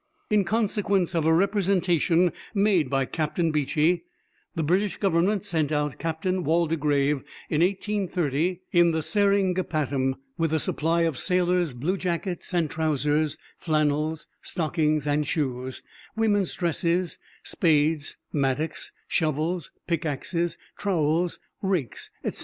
In consequence of a representation made by Captain Beechey, the British government sent out Captain Waldegrave in 1830, in the Seringapatam, with a supply of sailors' blue jackets and trousers, flannels, stockings and shoes, women's dresses, spades, mattocks, shovels, pickaxes, trowels, rakes, etc.